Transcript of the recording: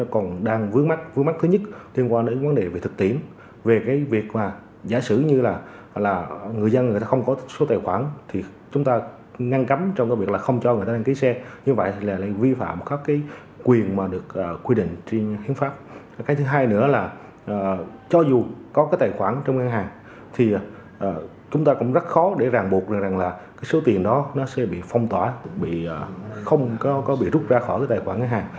có cái tài khoản trong ngân hàng thì chúng ta cũng rất khó để ràng buộc rằng là cái số tiền đó nó sẽ bị phong tỏa không có bị rút ra khỏi cái tài khoản ngân hàng